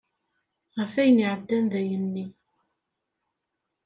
Ɣef ayen iɛeddan dayenni.